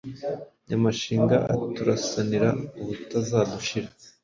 Nyamashinga aturasanira ubutazadushira,